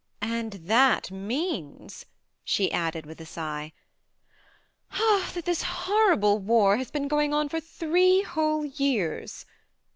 And that means," she added with a sigh, " that this horrible war has been going on for three whole years.